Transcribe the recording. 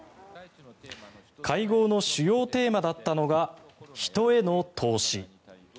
会合の主要テーマだったのが人への投資。